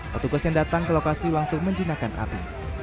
petugas yang datang ke lokasi langsung menjinakkan api